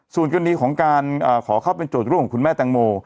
ส่วนกรณีของการขอเข้าเป็นโจทย์ร่วมของคุณแม่แตงโม